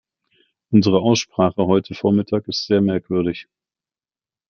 Unsere Aussprache heute vormittag ist sehr merkwürdig.